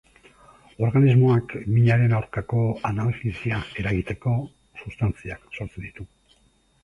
Organismoak minaren aurkako analgesia eragiteko substantziak sortzen ditu.